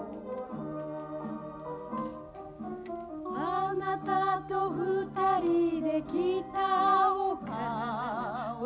「あなたと二人で来た丘は」